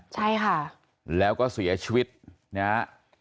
ใช่ค่ะแล้วก็เสียชีวิตนะฮะ